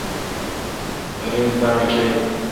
غریب باڑ کڑل۔